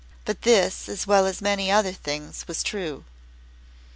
But this as well as many other things was true.